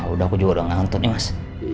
udah aku juga udah ngantuk nih mas